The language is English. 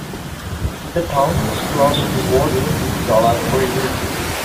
The town is close to the Woady Yaloak River.